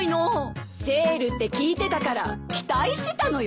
セールって聞いてたから期待してたのよ？